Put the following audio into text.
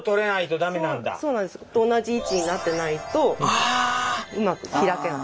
同じ位置になってないとうまく開けない。